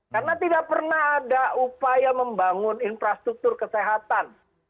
karena tidak pernah ada upaya membangun infrastruktur kesehatan